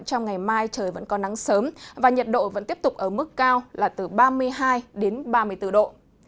trong ngày mai trời vẫn có nắng sớm và nhiệt độ vẫn tiếp tục ở mức cao là từ ba mươi hai đến ba mươi bốn độ